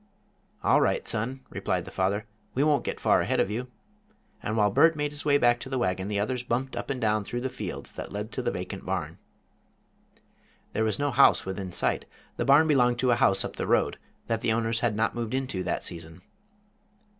"All right, son," replied the father, "we won't get far ahead of you." And while Bert made his way back to the wagon, the others bumped up and down through the fields that led to the vacant barn. There was no house within sight. The barn belonged to a house up the road that the owners had not moved into that season.